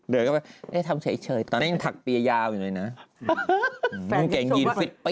เดินเข้าไปทำเฉยตอนนั้นยังถักเปียยาวอยู่เลยนะ